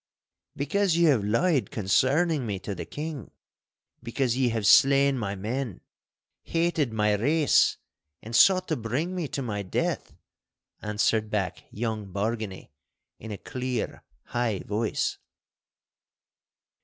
'Because ye have lied concerning me to the King. Because ye have slain my men, hated my race, and sought to bring me to my death!' answered back young Bargany in a clear, high voice.